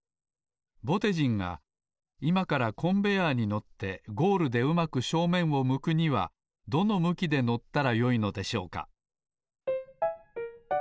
ぼてじんがいまからコンベヤーに乗ってゴールでうまく正面を向くにはどの向きで乗ったらよいのでしょうか？